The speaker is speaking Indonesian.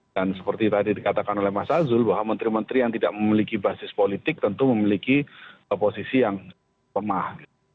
dan seperti tadi dikatakan oleh mas azul bahwa menteri menteri yang tidak memiliki basis politik tentu memiliki posisi yang pemah